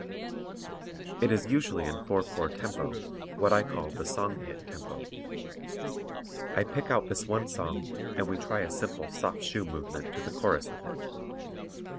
It is usually in 4 4 tempo, what I call the song hit tempo. I pick out this one song and we try a simple soft shoe movement to the chorus of it.